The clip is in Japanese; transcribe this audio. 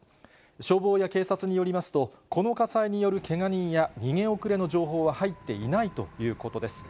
消防や警察によりますと、この火災によるけが人や逃げ遅れの情報は入っていないということです。